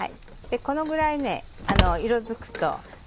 このぐらい色づくと。